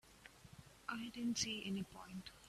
I didn't see any point.